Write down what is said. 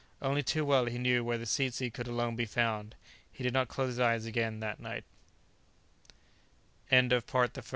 Only too well he knew where the tzetzy could alone be found. He did not close his eyes again that night.